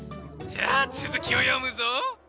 じゃあつづきをよむぞ。